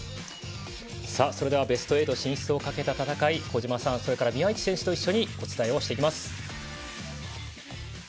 ベスト８進出をかけた戦い小島さん、宮市選手と一緒にお伝えをしていきます。